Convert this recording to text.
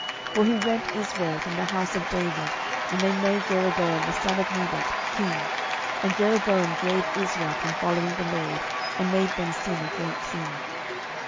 12:017:021 For he rent Israel from the house of David; and they made Jeroboam the son of Nebat king: and Jeroboam drave Israel from following the LORD, and made them sin a great sin.